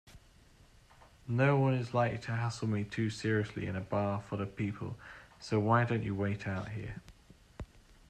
Noone is likely to hassle me too seriously in a bar full of people, so why don't you wait out here?